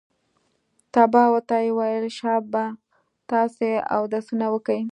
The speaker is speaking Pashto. طلباو ته يې وويل شابه تاسې اودسونه وکئ.